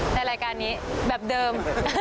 ในรายการนี้แบบเดิม